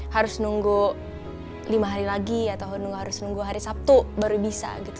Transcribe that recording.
harus nunggu lima hari lagi atau harus nunggu hari sabtu baru bisa gitu